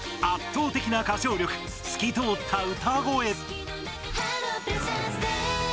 圧倒的な歌唱力透き通った歌声。